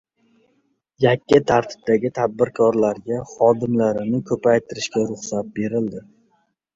Yakka tartibdagi tadbirkorlarga xodimlarini ko‘paytirishga ruxsat berildi